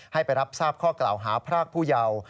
ให้ไปรับทราบข้อกล่าวหาพรากผู้เยาว์